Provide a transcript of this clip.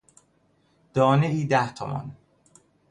دانهای ده تومان